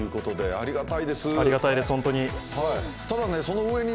ありがたいです、本当に。